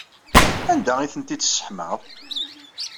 Anda ay tent-id-tesseḥmaḍ?